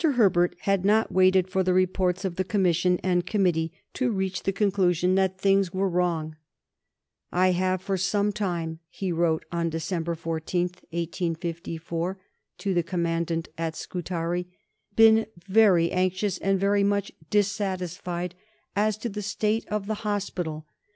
Herbert had not waited for the reports of Commission and Committee to reach the conclusion that things were wrong: "I have for some time," he wrote on December 14, 1854, to the Commandant at Scutari, "been very anxious and very much dissatisfied as to the state of the hospital.